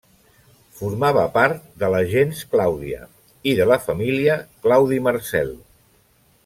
Formava part de la gens Clàudia, i de la família Claudi Marcel.